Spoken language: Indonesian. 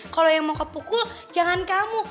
kalau yang mau kepukul jangan kamu